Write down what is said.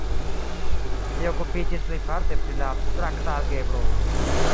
Li okupiĝis plejparte pri la abstrakta algebro.